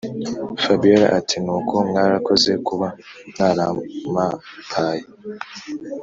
fabiora ati”nuko mwarakoze kuba mwaramapaye